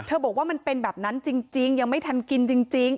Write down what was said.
บอกว่ามันเป็นแบบนั้นจริงยังไม่ทันกินจริง